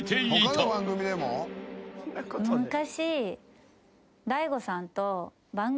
昔。